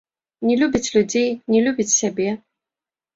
Не любіць людзей, не любіць сябе.